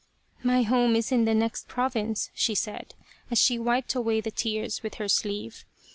" My home is in the next province," she said, as she wiped away the tears with her sleeve.